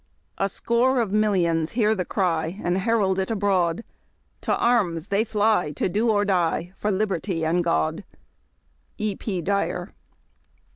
A score of millions hear the cry And herald it abroad, To arms they fly to do or die For liberty and God. E. P. Dyek.